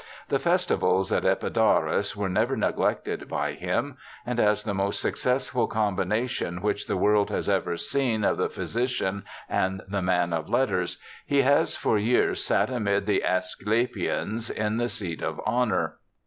The festivals at Epidaurus were never neglected by him, and as the most successful combination which the world has ever seen of the physician and the man of letters, he has for years sat amid the Aesculapians in the seat of honour.